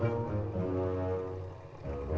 gak di siap ya anywhere